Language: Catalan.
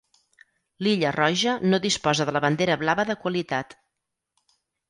L'Illa Roja no disposa de la bandera blava de qualitat.